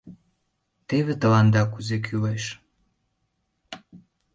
Теве тыланда кузе кӱлеш!